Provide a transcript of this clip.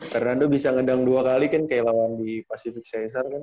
fernando bisa ngedang dua kali kan kayak lawan di pacific censar kan